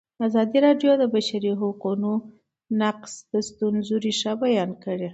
ازادي راډیو د د بشري حقونو نقض د ستونزو رېښه بیان کړې.